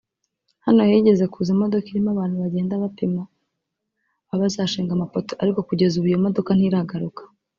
Hano higeze kuza imodoka irimo abantu bagenda bapima aho bazashinga amapoto ariko kugeza ubu iyo modoka ntiragaruka